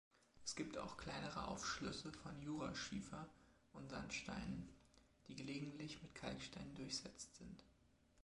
Es gibt auch kleinere Aufschlüsse von Jura-Schiefer und -Sandsteinen, die gelegentlich mit Kalkstein durchsetzt sind.